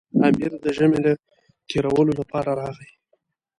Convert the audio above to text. امیر د ژمي له تېرولو لپاره راغی.